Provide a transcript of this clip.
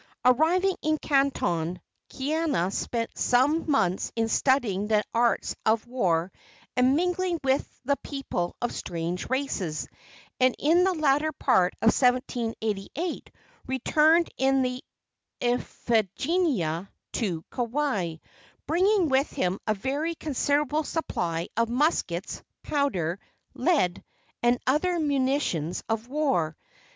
Arriving in Canton, Kaiana spent some months in studying the arts of war and mingling with the people of strange races, and in the latter part of 1788 returned in the Iphigenia to Kauai, bringing with him a very considerable supply of muskets, powder, lead and other munitions of war.